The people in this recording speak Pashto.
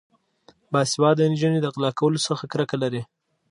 باسواده نجونې د غلا کولو څخه کرکه لري.